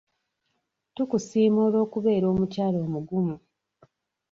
Tukusiima olw'okubeera omukyala omugumu.